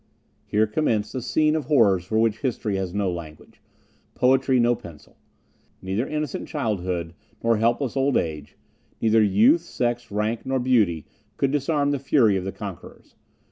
Here commenced a scene of horrors for which history has no language poetry no pencil. Neither innocent childhood, nor helpless old age; neither youth, sex, rank, nor beauty, could disarm the fury of the conquerors.